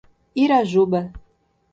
Irajuba